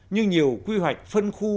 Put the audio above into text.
nhưng nhiều quy hoạch phân khu